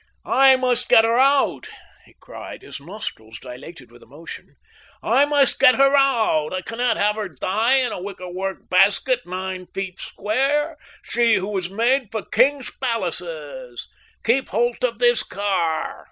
I must get her out," he cried, his nostrils dilated with emotion "I must get her out. I cannot have her die in a wicker work basket nine feet square she who was made for kings' palaces! Keep holt of this car!